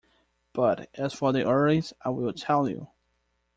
But as for the earrings — I will tell you.